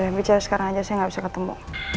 dari bicara sekarang aja saya gak bisa ketemu